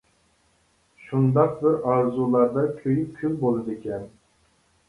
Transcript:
شۇنداق بىر ئارزۇلاردا كۆيۈپ كۈل بولىدىكەن.